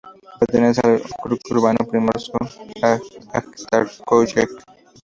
Pertenece al ókrug urbano Primorsko-Ajtarskoye.